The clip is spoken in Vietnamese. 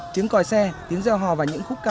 tiếng còi xe tiếng gieo hò và những khúc ca